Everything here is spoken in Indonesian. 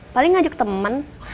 paling ngajak temen